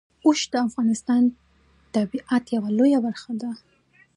اوښ د افغانستان د طبیعت یوه لویه برخه ده.